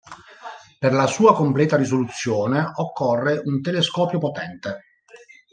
Per la sua completa risoluzione occorre un telescopio potente.